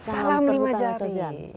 salam lima jari